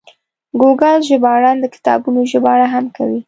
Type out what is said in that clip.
ګوګل ژباړن د کتابونو ژباړه هم کوي.